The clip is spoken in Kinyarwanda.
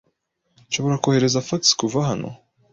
Nshobora kohereza fax kuva hano?